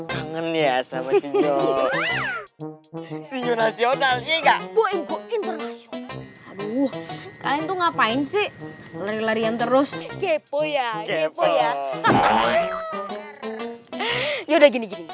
kangen ya sama sinyal nasional nggak boing boing aduh itu ngapain sih lari larian terus kepo ya